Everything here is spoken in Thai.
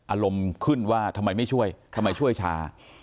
อารมณ์ขึ้นว่าทำไมไม่ช่วยทำไมช่วยช้า